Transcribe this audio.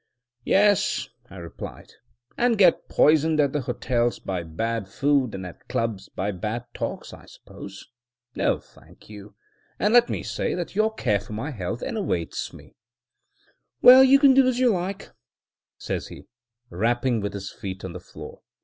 "Yes," I replied, "and get poisoned at the hotels by bad food and at the clubs by bad talk, I suppose. No, thank you: and let me say that your care for my health enervates me." "Well, you can do as you like," says he, rapping with his feet on the floor.